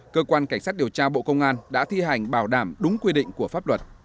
cơ quan cảnh sát điều tra bộ công an đã thi hành bảo đảm đúng quy định của pháp luật